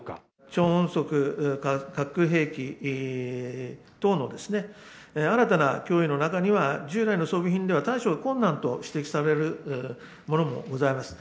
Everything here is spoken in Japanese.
超音速核兵器等の新たな脅威の中には、従来の装備品では対処が困難と指摘されるものもございます。